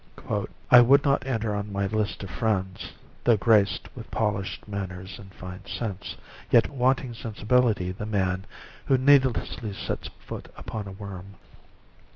" I would not enter on my list of friends, (Though grac'd with polish 'd manners and fine sense, Yet wanting sensibility,) the man Who needlessly sets foot upon a worm.